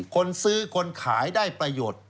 คนซื้อคนขายได้ประโยชน์